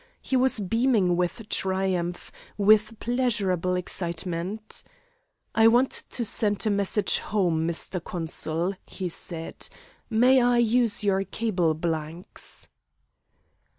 He was beaming with triumph, with pleasurable excitement. "I want to send a message home, Mr. Consul," he said. "May I use your cable blanks?"